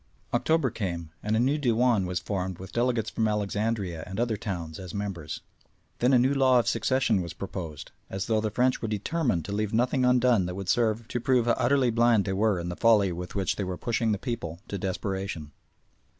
October came, and a new Dewan was formed with delegates from Alexandria and other towns as members. Then a new law of succession was proposed, as though the French were determined to leave nothing undone that would serve to prove how utterly blind they were in the folly with which they were pushing the people to desperation.